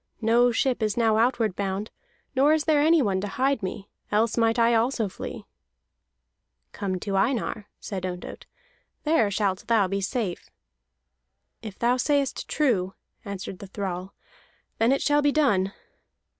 No ship is now outward bound, nor is there anyone to hide me. Else might I also flee." "Come to Einar," said Ondott. "There shalt thou be safe." "If thou sayest true," answered the thrall, "then it shall be done."